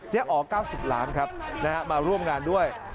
อ๋อ๙๐ล้านครับมาร่วมงานด้วย